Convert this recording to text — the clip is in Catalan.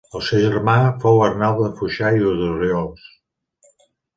El seu germà fou Arnau de Foixà i d'Orriols.